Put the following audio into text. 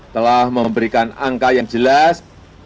telah memberikan angka yang jelas